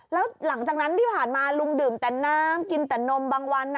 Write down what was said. แล้วหลังจากนั้นที่ผ่านมาลุงดื่มแต่น้ำกินแต่นมบางวัน